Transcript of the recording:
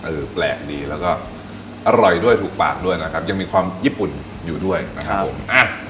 แปลกดีแล้วก็อร่อยด้วยถูกปากด้วยนะครับยังมีความญี่ปุ่นอยู่ด้วยนะครับผมอ่ะ